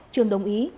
trường đồng ý